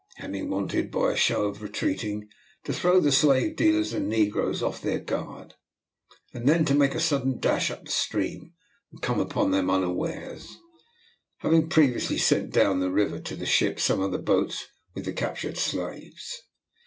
Hemming wanted, by a show of retreating, to throw the slave dealers and negroes off their guard; and then to make a sudden dash up the stream and to come upon them unawares, having previously sent down the river to the ships some of the boats with the captured slaves.